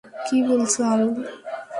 কি বলছ, আরুল?